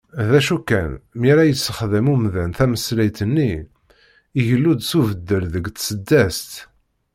D acu kan, mi ara yesexdam umdan tameslayt-nni, igellu-d s ubeddel deg tseddast.